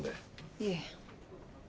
いえ。